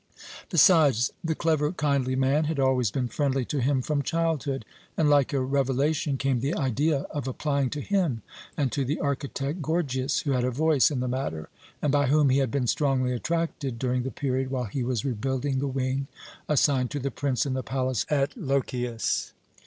Besides, the clever, kindly man had always been friendly to him from childhood, and like a revelation came the idea of applying to him, and to the architect Gorgias, who had a voice in the matter, and by whom he had been strongly attracted during the period while he was rebuilding the wing assigned to the prince in the palace at Lochias.